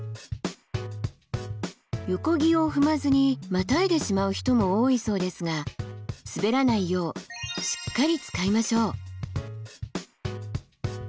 横木を踏まずにまたいでしまう人も多いそうですが滑らないようしっかり使いましょう。